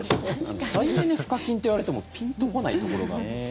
再エネ賦課金って言われてもピンと来ないところが。